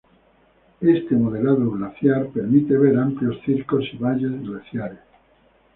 Este modelado glaciar permite ver amplios circos y valles glaciares.